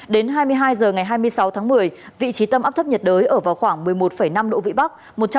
đến hai mươi hai h ngày hai mươi sáu tháng một mươi vị trí tâm áp thấp nhiệt đới ở vào khoảng một mươi một năm độ vĩ bắc